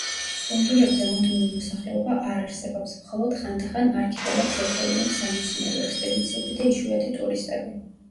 კუნძულებზე მუდმივი მოსახლეობა არ არსებობს, მხოლოდ ხანდახან არქიპელაგს ეწვევიან სამეცნიერო ექსპედიციები და იშვიათი ტურისტები.